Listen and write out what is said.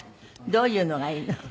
どういうのがいいの？